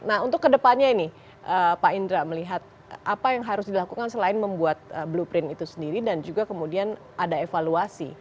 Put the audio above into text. nah untuk kedepannya ini pak indra melihat apa yang harus dilakukan selain membuat blueprint itu sendiri dan juga kemudian ada evaluasi